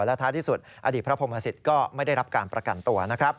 และท้ายที่สุดอดีตพระพรหมศิษย์ก็ไม่ได้รับการประกันตัวนะครับ